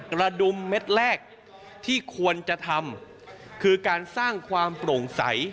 กระดุมเม็ดแรกที่ควรจะทำคือการสร้างความโปร่งใส